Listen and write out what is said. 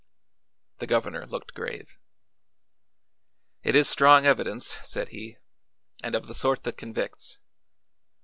The governor looked grave. "It is strong evidence," said he, "and of the sort that convicts.